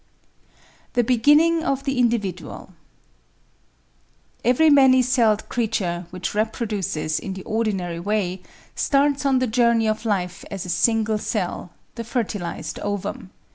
The Beginning of the Individual Every many celled creature, which reproduces in the ordinary way, starts on the joiu'ney of life as a single cell — the fertilised ovum.